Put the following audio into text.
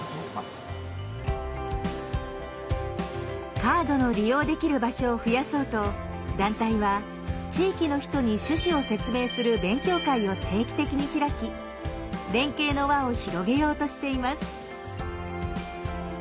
カードの利用できる場所を増やそうと団体は地域の人に趣旨を説明する勉強会を定期的に開き連携の輪を広げようとしています。